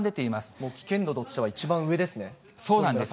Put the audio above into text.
もう、危険度としては一番上そうなんです。